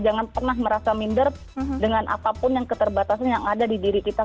jangan pernah merasa minder dengan apapun yang keterbatasan yang ada di diri kita